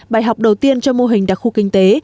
bài học đầu tiên cho mô hình đặc khu kinh tế